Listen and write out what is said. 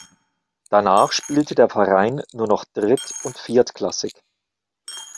Danach spielte der Verein nur noch dritt- und viertklassig.